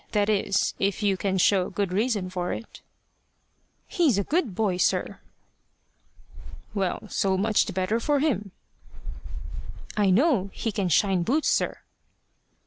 That is, if you can show good reason for it." "He's a good boy, sir." "Well, so much the better for him." "I know he can shine boots, sir."